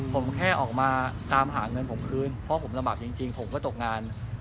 ผมแค่ออกมาตามหาเงินผมคืนเพราะผมลำบากจริงผมก็ตกงาน